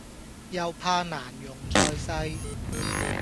又怕難容在世